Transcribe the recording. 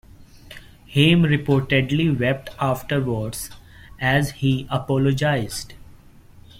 Haim reportedly wept afterwards as he apologized.